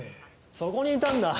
そこにいたんだ。